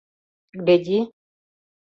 — Гляди.